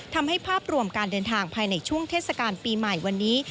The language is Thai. ทำให้ภาพรวมการเดินทางภายในช่วงเทศกาลปีใหม่วันนี้